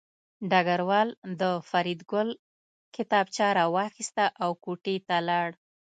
ډګروال د فریدګل کتابچه راواخیسته او کوټې ته لاړ